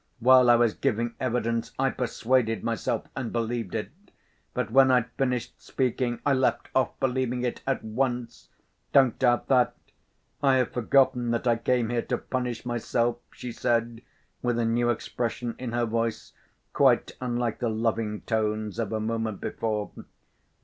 While I was giving evidence I persuaded myself and believed it, but when I'd finished speaking I left off believing it at once. Don't doubt that! I have forgotten that I came here to punish myself," she said, with a new expression in her voice, quite unlike the loving tones of a moment before.